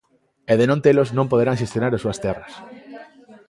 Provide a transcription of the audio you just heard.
E de non telos non poderán xestionar as súas terras.